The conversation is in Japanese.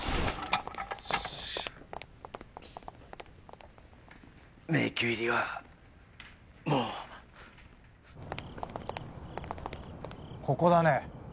よし迷宮入りはもうここだね